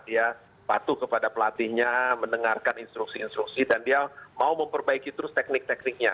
dia patuh kepada pelatihnya mendengarkan instruksi instruksi dan dia mau memperbaiki terus teknik tekniknya